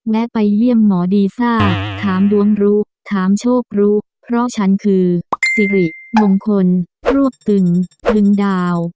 และไปเยี่ยมหมอดีซ่าถามดวงรู้ถามโชครู้เพราะฉันคือสิริมงคลรวบตึงตึงดาว